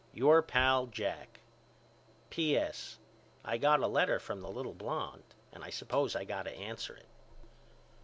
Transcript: Your Pal, JACK. P.S I got a letter from the little blonde and I suppose I got to answer it.